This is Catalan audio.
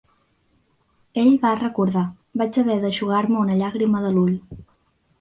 Ell va recordar, vaig haver d'eixugar-me una llàgrima de l"ull.